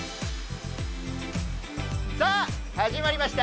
さあ始まりました！